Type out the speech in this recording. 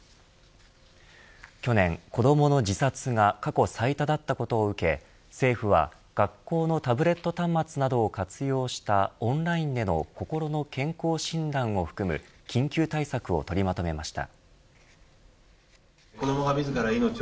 去年、子どもの自殺が過去最多だったことを受け政府は学校のタブレット端末などを活用したオンラインでの心の健康診断を含む緊急対策を取りまとめました。